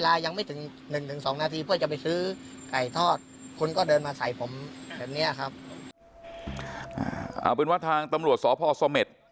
อาบินวัดทางตำรวจสพสมมติฯ